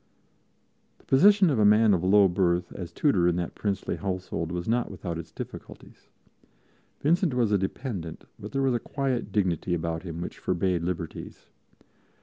The position of a man of low birth as tutor in that princely household was not without its difficulties. Vincent was a dependent; but there was a quiet dignity about him which forbade liberties.